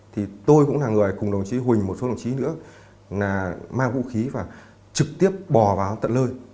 thì tôi cũng là người cùng đồng chí huỳnh một số đồng chí nữa là mang vũ khí và trực tiếp bò vào tận lơi